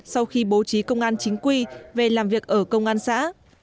sau khi bố trí công an chính quy về làm việc ở công an xã